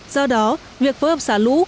do đó việc phối hợp xả lũ